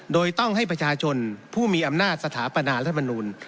โดยต้องให้ประชาชนผู้มีอำนาจสถาปนารัฐมนูล